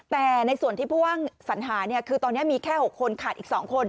แต่ในส่วนที่ผู้ว่างสัญหาคือตอนนี้มีแค่๖คนขาดอีก๒คน